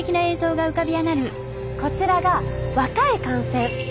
こちらが若い汗腺。